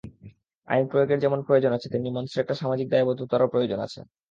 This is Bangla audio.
আইন প্রয়োগের যেমন প্রয়োজন আছে, তেমনি মানুষের একটা সামাজিক দায়বদ্ধতারও প্রয়োজন আছে।